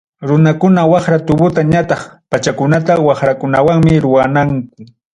Runakuna waqra tubuta ñataq pachakunata waqrakunawanmi ruwananku.